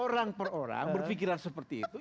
orang per orang berpikiran seperti itu